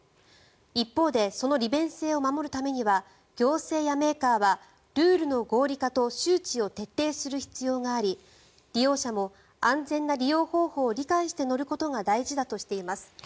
一方でその利便性を守るためには行政やメーカーはルールの合理化と周知を徹底する必要があり利用者も安全な利用方法を理解して乗ることが大事だとしています。